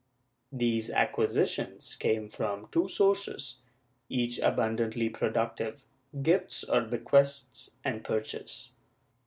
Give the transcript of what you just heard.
These acquisitions came from two sources, each abundantly productive — gifts or bequests and purchase.